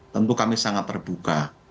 tentu kami sangat terbuka